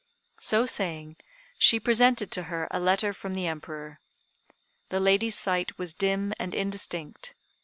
So saying, she presented to her a letter from the Emperor. The lady's sight was dim and indistinct.